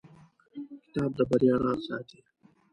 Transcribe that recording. کتاب د بریا راز ساتي.